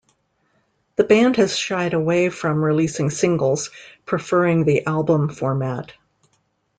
The band has shied away from releasing singles, preferring the album format.